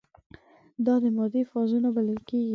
دا د مادې فازونه بلل کیږي.